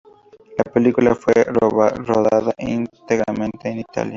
La película fue rodada íntegramente en Italia.